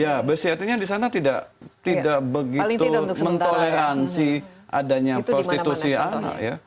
ya besi artinya di sana tidak begitu mentoleransi adanya prostitusi anak ya